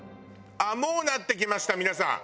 もうなってきました皆さん。